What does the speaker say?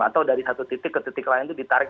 atau dari satu titik ke titik lain itu ditarik